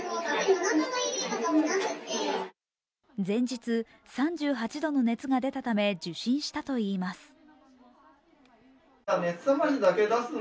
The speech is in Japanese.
前日、３８度の熱が出たため受診したといいます。